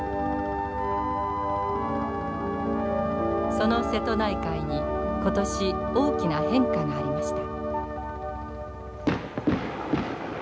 その瀬戸内海に今年大きな変化がありました。